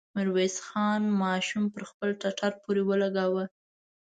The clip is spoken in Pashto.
ميرويس خان ماشوم پر خپل ټټر پورې ولګاوه.